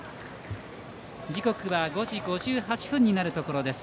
時刻は５時５８分になるところです。